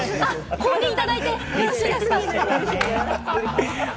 公認をいただいてよろしいですか？